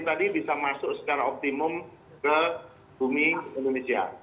jadi bisa masuk secara optimum ke bumi indonesia